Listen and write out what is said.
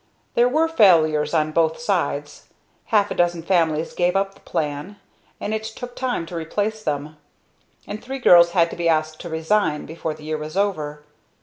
There were failures on both sides; half a dozen families gave up the plan, and it took time to replace them; and three girls had to be asked to resign before the year was over.